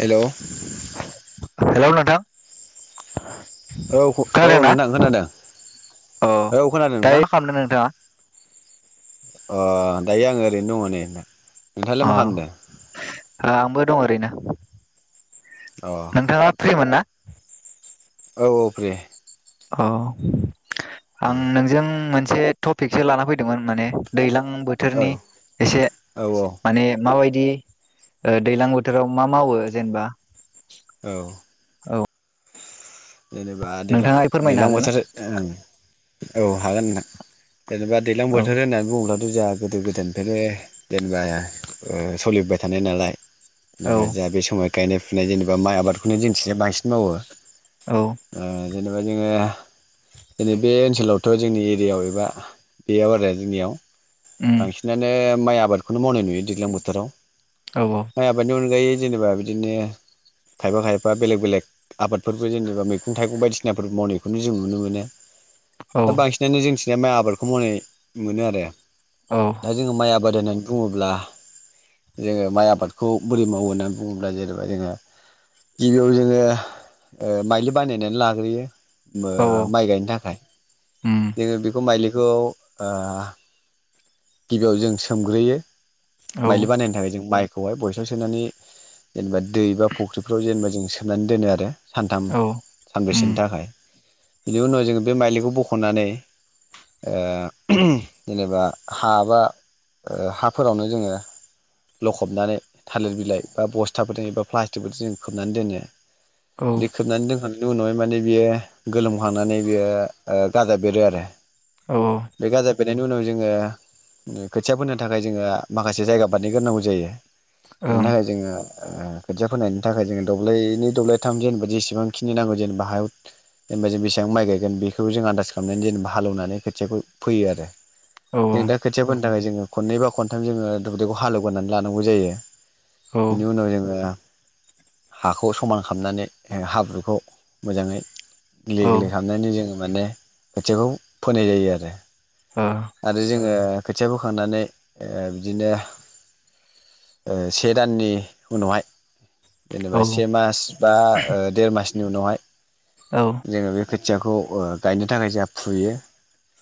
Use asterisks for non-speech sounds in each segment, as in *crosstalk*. Hello hello नोंथां औ औ खोनादोंना नोंथां खोनादों औ औ खोनादों नोंथां दायो खालामदों नोंथाङा अ दायो आङो ओरैनो दङ नै नोंथाङालाय अ मा खालामदों आंबो दं ओरैनो अ नोंथाङा फ्रिमोन ना औ औ फ्रि अ आं नोंजों मोन मोनसे टपिकसो लान फैदोंमोन माने दैलां औ बोथोरनि एसे औ माने माबायदि बिदि ओ दैलां बोथोराव मा मावो जेनेबा औ औ जेनेबा नोंथाङा दैलांङाव फोरमायनो दैलां हागोन ना बोथोर ओं औ हागोन नोंथां जेनेबा दैलां औ बोथोर होननानै बुङोब्लाथ' जा गोदो गोदायनिफ्रायनो जेनेबा ओ सोलिबोय थानाय नालाय औ बेबा दा बे समाव गायनाय फुनाय जेनेबा माइ आबादखौनो जोंनिथिंजाय बांसिन मावो औ ओ जेनेबा जोङो जोंनि बे ओनसोलावथ' जोंनि एरियायाव एबा बेयाव आरो जोंनियाव उम बांसिनानो माइ आबादखौनो मावनाय नुयो दैज्लां बोथोराव औ माइ आबादनि अनगायै जेनेबा बिदिनो खायफा खायफा बेलेग बेलेग आबादफोरबो जेनेबा मैगं थाइगं बायदिसिनाफोर मावनायखौनो जों नुनो मोनो औ दा बांसिनानो जोंनि जे माइ आबादखौ मावनाय मोनो आरो औ दा जोङो माइ आबाद होनाय बुङोब्ला जोङो माइ आबादखौ बोरै मावो होननानै बुङोब्ला जेनेबा जोङो गिबियाव जोङो ओ माइलि बानायनानै लाग्रोयो औ ओ माइ गायनो थाखाय उम नोङो बेखौ माइलि आ गिबियाव जों सोमग्रोयो औ बायलि बानायनो थाखाय जों माइ खौहाय बयसाव सोनानै जेनेबा दै बा फुख्रिफ्राव जेनेबा जों सोननानै दोनो आरो सानथाम औ उम सानब्रैसोनि थाखाय बिनि उनाव जोङो बे माइलिखौ बख'नानै जेनेबा हाबा हाफोरावनो जोङो लखबनानै थालिर बिलाइ बा बस्थाफोरजों एबा प्लास्टिकफोरजों जों खोबनानै दोनो औ दिखोबनानै दोंनो बेनि उनावहाय माने बियो गोलोमखांनानै बियो गाजा बेरो आरो औ बेनि उनाव जोङो खोथिया फोनो थाखाय जोङो माखासे जायगा बानायहग्रोनांगौ जायो बेनि ओं थाखाय जोङो ओ खोथिया फोनायनि थाखाय जोङो दब्लायनि दब्लायथाम जेनेबा जेसेबां खिनि नांगौ जेनेबा हायाव जेनेबा जों बेसेबां माइ गायगोन बेखौ जों आन्दाज खालामनानै जेनेबा हाल एवनानै खोथियाखौ फोयो आरो औ जों दा खोथिया फोनो जोङो खनै बा खनथाम जोङो दुब्लिखौ हाल एवगोननानै लानांगौ जायो औ बिनि उनाव हाखौ समान खालामनानै हाब्रुखौ मोजाङै गेलै औ ओ गलै हाबनायनि जोङो माने खोथियाखौ फोनाय जायो आरो औ आरो जोङो खोथिया बोखांनानै बिदिनो से दाननि उनावहाय जेनेबा से मास बा देरमासनि बिनि उनावहाय औ जोङो बे खोथियाखौ गायनो थाखाय जों फुयो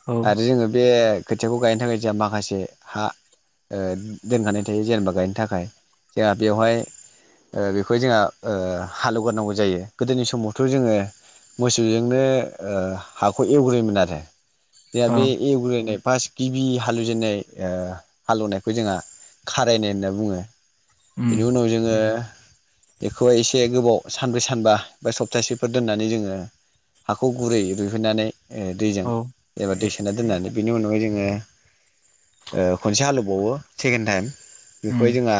औ औ आरो जोङो बे खोथियाखौ गायनो थाखाय जोंहा माखासे हा दोनखानाय थायो जेनेबा गायनो थाखाय जोंहा बेवहाय बेखौ जोंहा हालेवगोरनांगौ जायो गोदोनि समावथ' जोङो मोसौजोंनो हाखौ एवग्रोयोमोन आरो दे ओं बे एग्रैनाय फार्सत गिबि हालौवजेननाय हालौवनायखौ जोंहा खारायनाय होनना बुङो बेनि उम उनाव जोङो बेखौहाय एसे गोबाव सानब्रै सानबा बा सप्तासेफोर दोननानै जोङो हाखौ गुरै रुहैनानै दैजों औ एबा दै होना दोननानै बेनि अनावगाय जोङो खनसे हालौबावो सेकेणड टाइम बेखौहाय उम जोंहा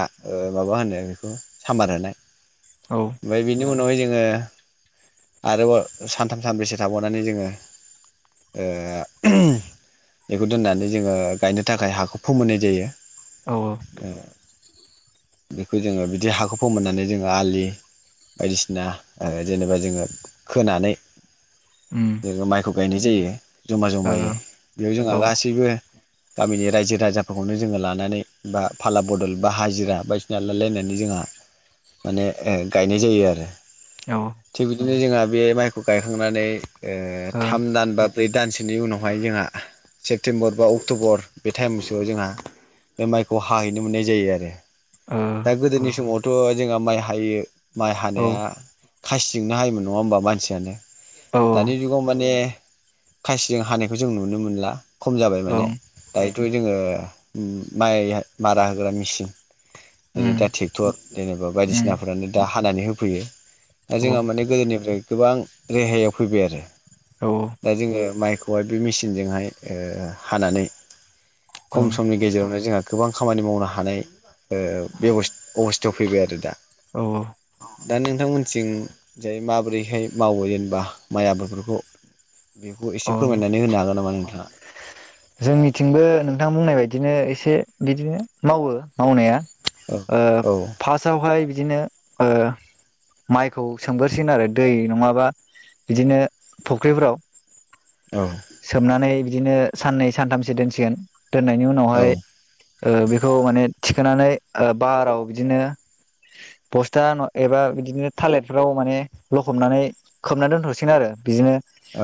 माबा होनो बेखौ सामबार होनाय औ ओमफाय बिनि उनावहाय जोङो आरोबाव सानथाम सानब्रैसो थाबावनानै जोङो ओ बेखौ दोननानै जोङो गायनो थाखाय हाखौ फोमोननाय जायो औ बेखौ जोङो बिदि हाखौ फोमोननानै जोङो आलि बायदिसिना जेनेबा जोङो खोनानै उम बे माइहुं गायनाय जायो जमा ओ जमायै जोंहा औ गासैबो गामिनि रायजो राजाफोरखौनो जोङो लानानै बा फाला बदल बा हाजिरा बायदिसिना लालायनानै जोंहा माने गायनाय जायो आरो ओ थिग बिदिनो जोंहा बे माइखौ गायखांनानै ओ थाम दानबा ब्रै दानसेनि उनावहाय जोंहा सेप्तेम्बर बा अक्ट'बर बे टाइमसोआव जोंहा बे माइखौ हाहैनो मोननाय जायो आरो दा गोदानि समाव थ' जोंहा माइ हायो माइ हानाया खासिजोंनो हायोमोन नङा होमबा मानसियानो ओ औ दानि जुगाव माने खासिजों हानायखौ जों नुनो मोनो ला खम जाबाय माने ओं दा दाथु जोङो माइ मारा होग्रा मेसिन जेरै उम दा ट्रेक्टर जेनेबा उम बायदिसिनाफ्रानो दा हानानै होफैयो दा औ जोंहा माने गोदोनिफ्राय गोबां रेहायाव फैबाय आरो औ दा जोङो माइखौ खौहाय बे मेसिनजोंहाय ओ हानानै खम ओं समनि गेजेरावनो जोंहा गोबां खामानि मावनो हानाय ओ बे अबस्थायाव फैबाय आरो दा औ दा नोंथांमोनथिं जाय माबोरैहाय मावो जेनेबा माइ आबादफोरखौ बेखौ अ एसे फोरमायनानै होनो हागोन नामा नोंथाङा जोंनिथिंबो नोंथां बुंनाय बायदिनो एसे बिदिनो मावो मावनाया औ ओ औ फासावहाय बिदिनो ओ माइखौ सोमगोरोसिगोन आरो दै नङाबा बिदिनो फख्रिफ्राव औ सोमनानै बिदिनो साननै सानथामसो दोनसिगोन दोननायनि उनावहाय औ ओ बेखौ माने थिखोनानै ओ बाराव बिदिनो बस्था एबा बिदिनो थालेटफोराव माने लखबनानै खोबना दोनथसिगोन आरो बिदिनो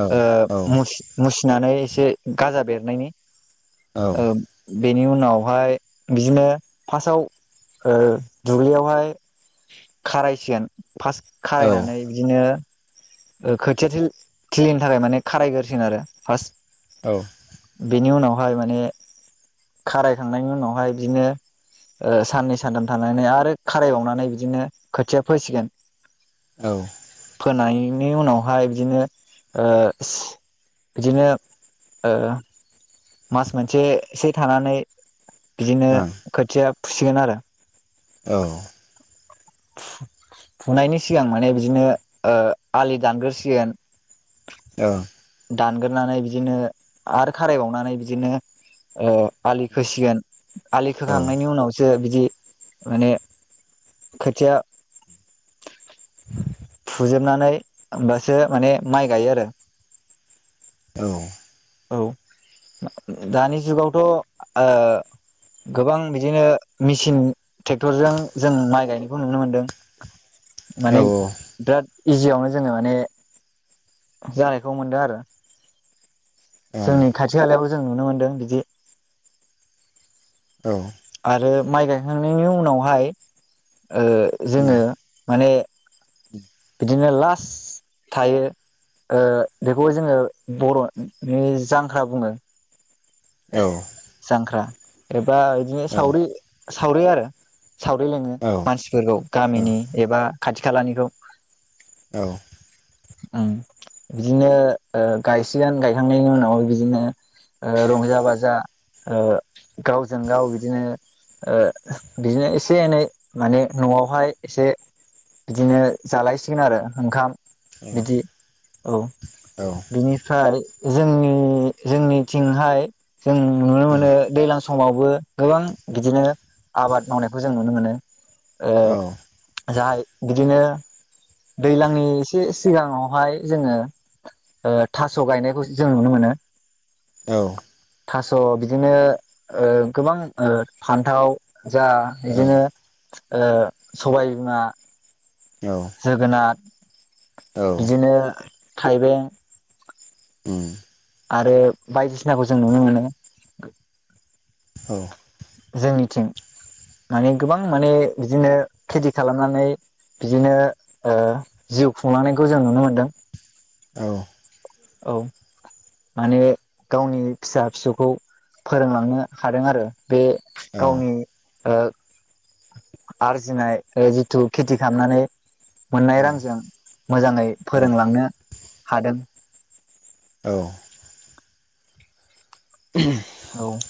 औ औ मुस फिसिनानै एसे गाजा बेरनायनि औ बेनि उनावहाय बिदिनो फार्स्टआव ओ दुब्लियावहाय खारायसिगोन फार्स्ट औ खारायनानै बिदिनो ओ खोथिया थिलिनि थाखाय माने खारायग्रोसिन आरो फास औ बेनि उनाव बेहाय माने खारायखांनायनि उनावहाय बिदिनो ओ साननै सानथाम थानानै आरो खारायबावनानै बिदिनो खोथिया फोसिगोन। औ फोनाय नि उनावहाय बिदिनो ओ बिदिनो ओ मास मोनसेसो थानानै बिदिनो ओं औ खोथिया फुसिगोन आरो। औ फुनायनि सिगां माने बिदिनो ओ आलि दानग्रोसिगोन। औ दानग्रोनानै बिदिनो आरो खारायबावनानै बिदिनो ओ आालि खोसिगोन। आलि खोखांनायनि औ उनावसो बिदि जि माने खोथिया फुजोबनानै होमबासो माने माइ गायो आरो। औ औ दानि जुगावथ ओ गोबां बिदिनो मेचिन ट्रेक्टरजों जों माइ गायनायखौ नुनो मोनदों। माने बिराद इजियावनो जोङो माने जानायखौ मोनदों आरो। जोंनो खाथि खालायाव जों नुनो मोनदों बिदि औ आरो माइ गायखांनायनि उनावहाय ओ जोङो उम माने *inaudible* बिदिनो लास थायो ओ बेखौ जोङो बर'नि जांख्रा बुङो। औ जांख्रा एब बा बिदिनो औ सावरि सावरि आरो। सावरि लिङो औ मानसिफोरखौ गामिनि एबा खाथि खालानिखौ औ ओम बिदिनो ओ गायसिगोन गायखांनायनि उनाव बिदिनो ओ रंजा बाजा ओ गावजों गाव बिदिनो बिदिनो ओ एसे एनै माने न'आवहाय एसे बिदिनो जालायसिगोन आरो ओंखाम औ बिदि औ औ बिनिफ्राय जोंनि जोंनिथिंहाय जों नुनो औ मोनो दैज्लां समावबो गोबां बिदिनो आबाद मावनायखौ जों नुनो मोनो ओ जाय बिदिनो दैज्लांनि एसे सिगाङावहाय जोङो ओ थास' गायनायखौ जों नुनो मोनो औ स' बिदिनो ओ गोबां फान्थाव जा बिदिनो ओ सबाय बिमा औ जोगोनार औ बिदिनो थाइबें ओं आरो बायदिसिनाखौ जों नुनो मोनो औ जोंनिथिं माने गोबां माने बिदिनो खेथि खालामनानै बिदिनो ओ जिउ खुंलांनायखौ जों नुनो मोनदों औ औ माने गावनि फिसा फिसौखौ फोरोंलांनो हादों आरो बे गावनि ओ आरजिनाय जिथु खेथि खालामनानै मोननाय रांजों मोजाङै फोरोंलांनो हादों औ *unintelligible* औ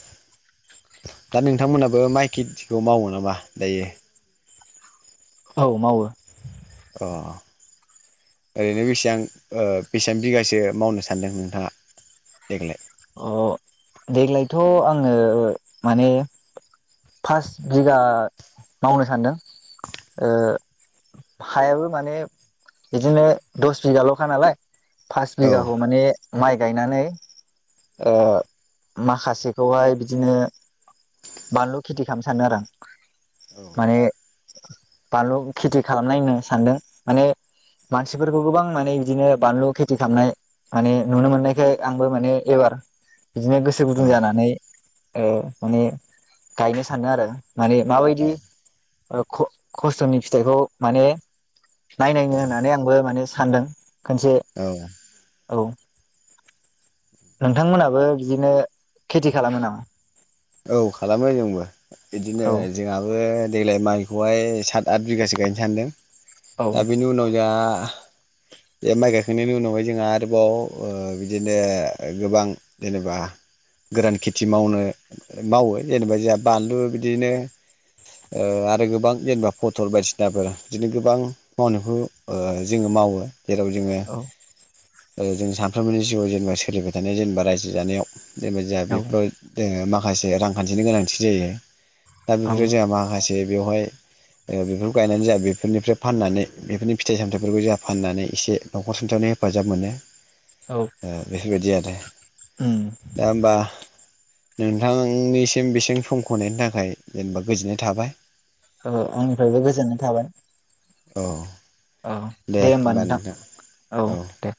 दा नोंथांमोनहाबो माइ खेथिखौ मावो नामा दायो औ मावो अ ओरैनो बेसेबां ओ बेसेबां बिगासो मावनो सानदों नोंथाङा देग्लाय अ देग्लायथ' आङो माने फास बिगा मावनो सान्दों ओ हायाबो माने बिदिनो दस बिगाल'खा नालाय फास औ बिघाखौ माने माइ गायनानै ओ माखासेखौहाय बिदिनो बानलु खेथि खालामनो सानदों आरो आं औ माने बानलु खेथि खालामनाय होननो सानदों माने मानसिफोरखौ गोबां माने बिदिनो बानलु खेथि खालामनाय माने नुनो मोननायखाय आंबो माने एबार बिदिनो गोसो गुदुं जानानै ओ माने गायनो सानो आरो माने औ माबायदि ओ ख खस्थ'नि फिथाइखौ माने नायनाय नो होननानै आंबो माने सानदों खनसे औ औ नोंथांमोनाबो बिदिनो खेथि खालामो नामा? औ खालामो जोंबो बिदिनो औ जोंहाबो देग्लाय माइखौ खहाय साथ आथ बिगासो गायनो सानदों औ दा बिनि उनाव जाहा आ बे माइ गायखांनायनि उनावहाय जोंहा आरोबाव ओ बिदिनो गोबां जेनेबा गोरान खेथि मावनो मावो जेनेबा जोहा बानलु बिदिनो ओ आरो गोबां जेनेबा पथल बायदिसिनाफोर बिदिनो गोबां मावनायखौ ओ जोङो मावो। जेराव जोङो औ ओ जों सानफ्रोमनि जिउआव जेनेबा सोलिबाय थानाय जेनेबा रायजो जानायाव जेनेबा जाहा बेफोराव औ जोङो मा खासे रांखान्थिनि गोनांथि जायो दा बेफोरो जोहा माखासे बेवहाय ओ बेफोरखौ गायनानै जोंहा बेफोरनिफ्राय फाननानै बेफोरनि फिथाइ सामथायाइफोरखौ जोहा फाननानै एसे न'खर सुंथानायाव हेफाजाब मोनो। औ ओ बेफोरबायदि आरो उम दा होमबा नोंथांनिसिम बेसिम समख' होनायनि थाखाय जेनेबा गोजोननाय थाबाय। अ आंनिफ्रायबो गोजोननाय थाबाय औ औ दे होमबा नोंथां औ दे।